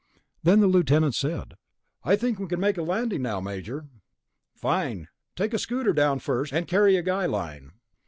Then the Lieutenant said, "I think we can make a landing now, Major." "Fine. Take a scooter down first, and carry a guy line."